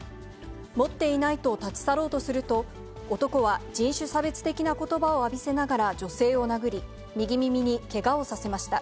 持っていないと立ち去ろうとすると、男は人種差別的なことばを浴びせながら女性を殴り、右耳にけがをさせました。